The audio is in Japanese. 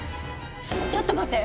ちょっと待って！